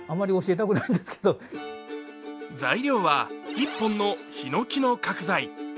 材料は１本のひのきの角材。